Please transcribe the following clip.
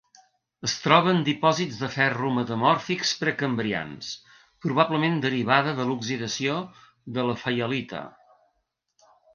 Es troba en dipòsits de ferro metamòrfics precambrians, probablement derivada de l'oxidació de la faialita.